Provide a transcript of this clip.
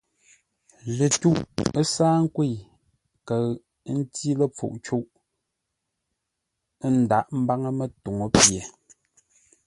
Lətwûʼ ə́ sáa nkwə̂i, kəʉ ə́ ntí ləpfuʼ cûʼ; ə́ ndaghʼḿbáŋə́ mətuŋú pye.